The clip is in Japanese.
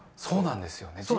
そうなんですよね。